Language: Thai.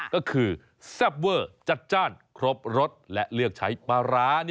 ก็คือแซ่บเวอร์จัดจ้านครบรสและเลือกใช้ปลาร้า